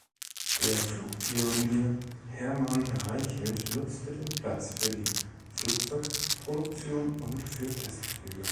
Der Flugpionier Hermann Reichelt nutzte den Platz für die Flugzeugproduktion und für Testflüge.